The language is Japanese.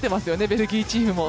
ベルギーチームも。